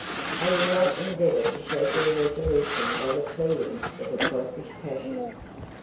—I will not endeavour to shake your resolution by the pleadings of a selfish passion.